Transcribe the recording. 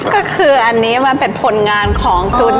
ก็คืออันนี้มันเป็นผลงานของตุ๊ด